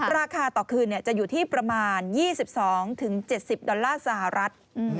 ราคาต่อคืนจะอยู่ที่ประมาณ๒๒๗๐ดอลลาร์สหรัฐ